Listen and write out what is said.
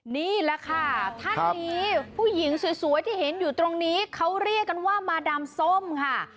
นี่แหละค่ะท่านนี้ผู้หญิงสวยที่เห็นอยู่ตรงนี้เขาเรียกกันว่ามาดามส้มค่ะ